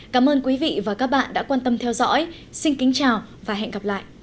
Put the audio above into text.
các hợp đồng